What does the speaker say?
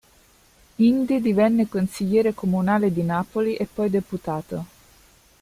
Indi divenne consigliere comunale di Napoli e poi deputato.